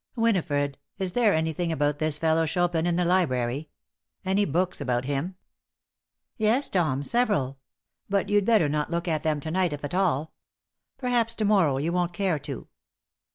"Winifred, is there anything about this fellow Chopin in the library? Any books about him?" "Yes, Tom, several; but you'd better not look at them to night if at all. Perhaps to morrow you won't care to."